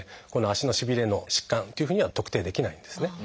足のしびれの疾患っていうふうには特定できないんですね。